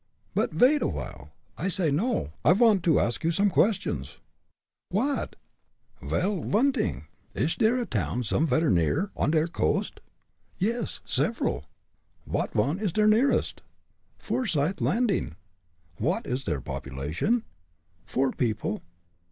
"But vait aw'ile! I say no. I vant to ask you some questions." "What?" "Vel, one t'ing ish der a town somevere's near, on der coast?" "Yes, several." "Vot one is der nearest?" "Forsyth Landing." "Vot is der population?" "Four people."